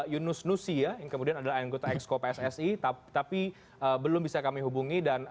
yunus nusi ya yang kemudian adalah anggota exco pssi tapi belum bisa kami hubungi